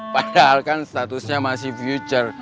padahal kan statusnya masih future